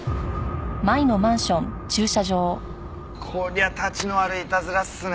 こりゃたちの悪いいたずらっすね。